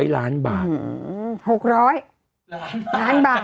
๖๐๐ล้านบาท